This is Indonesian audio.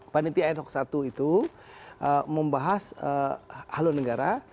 panitia ad hoc i itu membahas haluan negara